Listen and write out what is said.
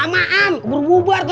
bang bang ojek